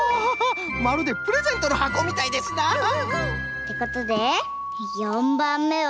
まるでプレゼントのはこみたいですな！ってことで４ばんめは。